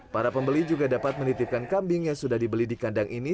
para pembeli juga dapat menitipkan kambing yang sudah dibeli di kandang ini